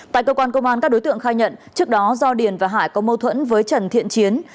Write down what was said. tại cơ quan công an các đối tượng khai nhận trước đó do điền và hải có mâu thuẫn với trần thiện chiến